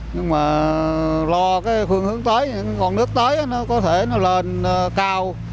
nhưng mà lo cái phương hướng tới còn nước tới nó có thể nó lên cao